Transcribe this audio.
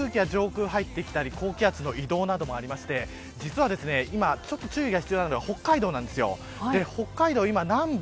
少し冷たい空気が上空に入ってきたり高気圧の移動などもあって実は今、注意が必要なのは北海道なんです。